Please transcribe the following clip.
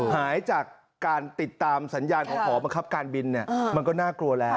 หายจากการติดตามสัญญาณของหอบังคับการบินมันก็น่ากลัวแล้ว